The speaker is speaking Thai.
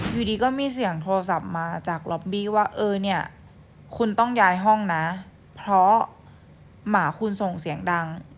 อยู่ดีก็มีเสียงโทรศัพท์มาจากล็อบบี้ว่าเออเนี่ยคุณต้องย้ายห้องนะเพราะหมาคุณส่งเสียงดัง